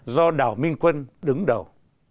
do đảo minh quân đứng đầu